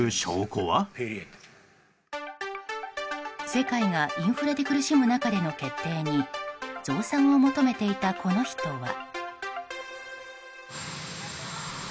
世界がインフレで苦しむ中での決定に増産を求めていたこの人は。